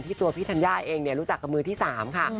ตัวพี่ธัญญาเองรู้จักกับมือที่๓ค่ะ